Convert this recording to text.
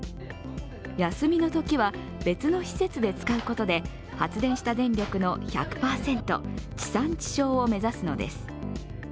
休みのときは、別の施設で使うことで発電した電力の１００％地産地消を目指すのです。